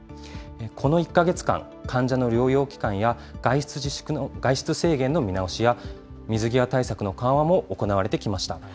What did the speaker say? この１か月間、患者の療養期間や外出制限の見直しや、水際対策の緩和も行われてきました。